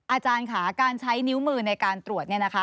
อาจารย์ค่ะการใช้นิ้วมือในการตรวจเนี่ยนะคะ